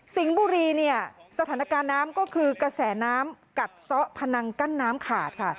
บุรีเนี่ยสถานการณ์น้ำก็คือกระแสน้ำกัดซ้อพนังกั้นน้ำขาดค่ะ